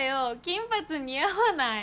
金髪似合わない。